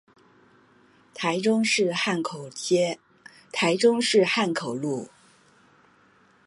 台中市漢口路